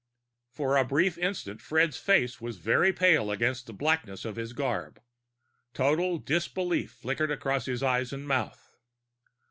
For a brief instant Fred's face was very pale against the blackness of his garb. Total disbelief flickered across his eyes and mouth.